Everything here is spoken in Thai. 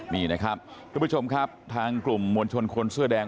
นี่นะครับทุกผู้ชมครับทางกลุ่มมวลชนคนเสื้อแดง